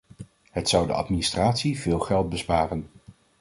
Het zou de administratie veel geld besparen.